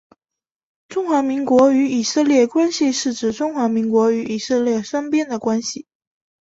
中华民国与以色列关系是指中华民国与以色列国双边的关系。